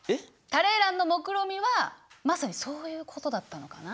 タレーランのもくろみはまさにそういうことだったのかな？